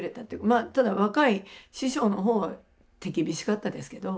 まあただ若い師匠の方は手厳しかったですけど。